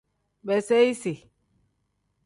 Biseyisi.